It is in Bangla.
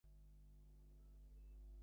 তোমার প্রিয় রং কী?